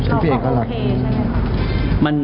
แล้วก็โอเคใช่มั้ยครับ